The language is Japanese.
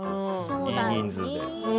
いい人数で。